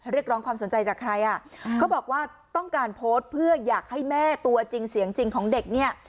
เรียกร้องความสนใจจากใครอ่ะเขาบอกว่าต้องการโพสต์เพื่ออยากให้แม่ตัวจริงเสียงจริงของเด็กเนี่ย